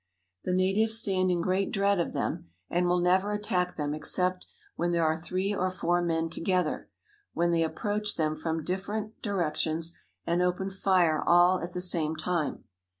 The natives stand in great dread of them, and will never attack them except when there are three or four men together, when they approach them from different directions and open fire all at the same time.